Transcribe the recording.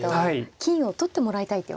金を取ってもらいたいっていうことですか。